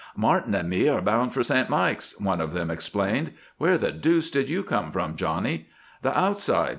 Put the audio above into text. "Martin and me are bound for Saint Mikes," one of them explained. "Where the deuce did you come from, Johnny?" "The 'outside.'